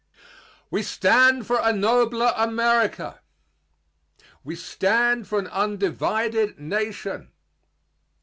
We stand for a nobler America. We stand for an undivided Nation.